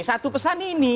satu pesan ini